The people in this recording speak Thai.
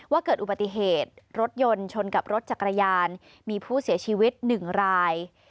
เกิดอุบัติเหตุรถยนต์ชนกับรถจักรยานมีผู้เสียชีวิต๑ราย